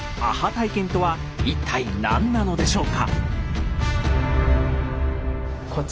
体験とは一体何なのでしょうか？